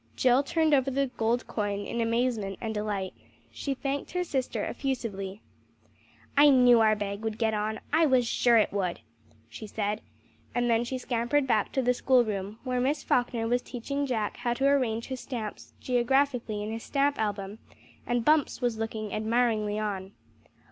Jill turned over the gold coin in amazement and delight. She thanked her sister effusively. "I knew our bag would get on, I was sure it would," she said; and then she scampered back to the school room, where Miss Falkner was teaching Jack how to arrange his stamps geographically in his stamp album, and Bumps was looking admiringly on.